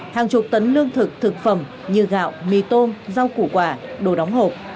hàng chục tấn lương thực thực phẩm như gạo mì tôm rau củ quả đồ đóng hộp